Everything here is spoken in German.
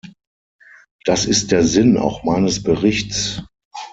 Das ist der Sinn auch meines Berichts.